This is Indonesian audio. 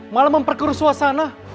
malah memperkeru suasana